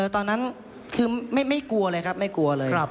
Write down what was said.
ตอนนั้นคือไม่กลัวเลยครับไม่กลัวเลย